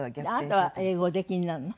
あなたは英語おできになるの？